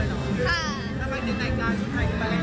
ทำไมนี่แต่งกายชุดไทยมาเล่น